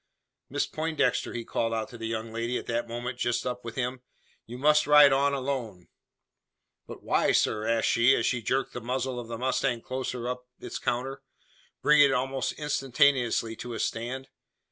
"Miss Poindexter!" he called out to the young lady, at that moment just up with him. "You must ride on alone." "But why, sir?" asked she, as she jerked the muzzle of the mustang close up to its counter, bringing it almost instantaneously to a stand.